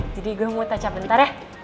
jadi gue mau taca bentar ya